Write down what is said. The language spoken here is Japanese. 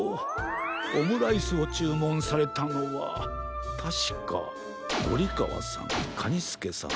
オムライスをちゅうもんされたのはたしかゴリかわさんカニスケさん